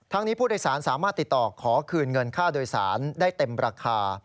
นี้ผู้โดยสารสามารถติดต่อขอคืนเงินค่าโดยสารได้เต็มราคา